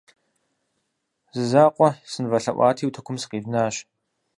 Зэ закъуэ сынывэлъэӀуати, утыкум сыкъивнащ.